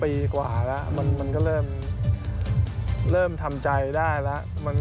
ปีกว่าแล้วมันก็เริ่มทำใจได้แล้ว